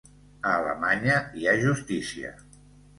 A Alemanya hi ha justícia.